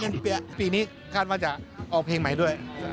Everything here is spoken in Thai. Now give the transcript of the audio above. แต่นานแปะปีนี้คาลว่าจะออกเพลงใหม่ด้วย